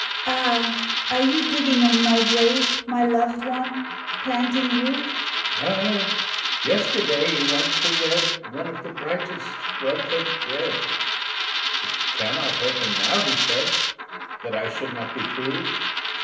"AH, are you digging on my grave My loved one?—planting rue?" —"No: yesterday he went to wed One of the brightest wealth has bred. 'It cannot hurt her now,' he said, 'That I should not be true.